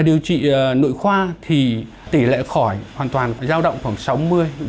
điều trị nội khoa thì tỷ lệ khỏi hoàn toàn giao động khoảng sáu mươi bảy mươi